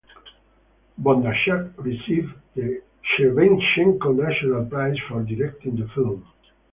Bondarchuk received the Shevchenko National Prize for directing the film.